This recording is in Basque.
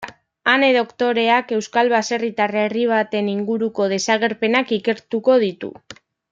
Ane doktoreak euskal baserritar herri baten inguruko desagerpenak ikertuko ditu.